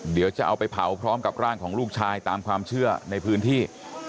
เดี๋ยวจะเอาไปเผาพร้อมกับร่างของลูกชายตามความเชื่อในพื้นที่